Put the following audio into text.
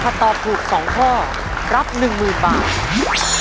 ถ้าตอบถูกสองข้อรับหนึ่งหมื่นบาท